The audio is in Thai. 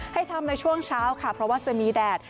ให้ทำในช่วงเช้าค่ะเพราะว่าจะมีแดด